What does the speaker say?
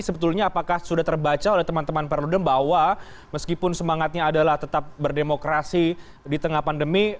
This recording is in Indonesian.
sebetulnya apakah sudah terbaca oleh teman teman perludem bahwa meskipun semangatnya adalah tetap berdemokrasi di tengah pandemi